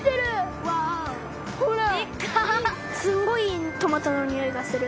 すっごいいいトマトのにおいがする。